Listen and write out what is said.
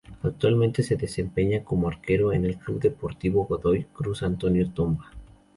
Actualmente se desempeña como arquero en Club Deportivo Godoy Cruz Antonio Tomba.